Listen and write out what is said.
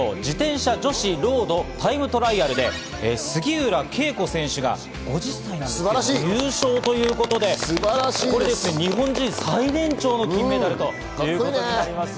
自転車女子ロード、タイムトライアルで杉浦佳子選手が５０歳なんですけど、優勝ということで、日本人最年長の金メダルということになりました。